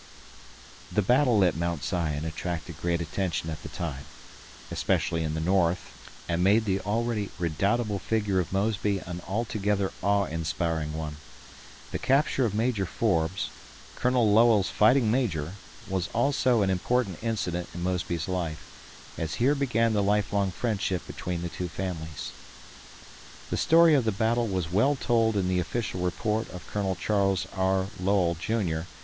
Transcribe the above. [The battle at Mount Zion attracted great attention at the time especially in the North, and made the already redoubtable figure of Mosby an altogether awe inspiring one. The capture of Major Forbes, "Colonel Lowell's fighting Major", was also an important incident in Mosby's life, as here began the lifelong friendship between the two families. The story of the battle was well told in the official report of Colonel Charles R. Lowell, Jr.